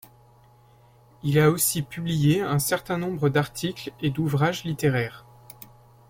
Il a aussi publié un certain nombre d'articles et d'ouvrages littéraires.